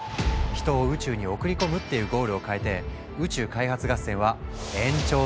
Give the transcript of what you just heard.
「人を宇宙に送り込む」っていうゴールをかえて宇宙開発合戦は延長戦に突入。